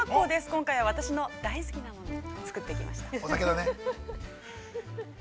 今回私の、大好きなものを、作ってきました。